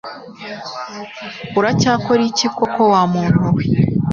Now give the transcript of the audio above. uracyakora iki koko wa muntu we?